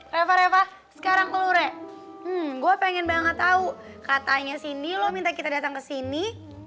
reva reva sekarang ke lure gue pengen banget tau katanya sini lo minta kita datang ke sini